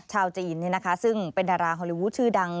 ชาวจีนเนี่ยนะคะซึ่งเป็นดาราฮอลลีวูดชื่อดัง